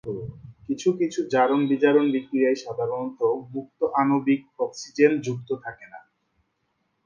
কিছু কিছু জারণ-বিজারণ বিক্রিয়ায় সাধারণত মুক্ত আণবিক অক্সিজেন যুক্ত থাকে না।